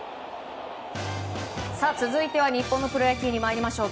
続いては日本のプロ野球に参りましょう。